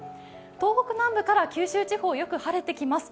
東北南部から九州地方よく晴れてきます。